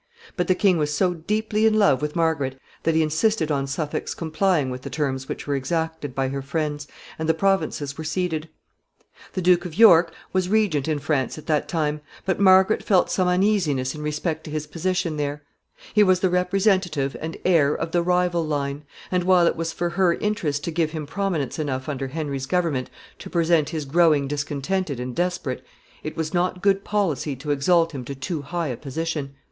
But the king was so deeply in love with Margaret that he insisted on Suffolk's complying with the terms which were exacted by her friends, and the provinces were ceded. [Footnote 10: See map at the commencement of the volume.] [Sidenote: York regent in France.] The Duke of York was regent in France at that time, but Margaret felt some uneasiness in respect to his position there. He was the representative and heir of the rival line; and while it was for her interest to give him prominence enough under Henry's government to prevent his growing discontented and desperate, it was not good policy to exalt him to too high a position.